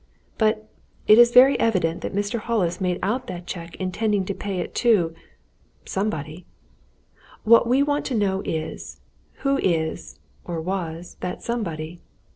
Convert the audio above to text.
But it is very evident Mr. Hollis made out that cheque intending to pay it to somebody. What we want to know is who is or was, that somebody?